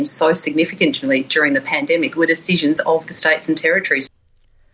dengan begitu signifikan pada pandemik adalah keputusan negara negara